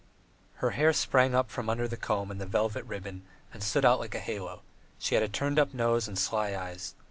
Her hair sprang up from under the comb and the velvet ribbon and stood out like a halo; she had a turned up nose and sly eyes.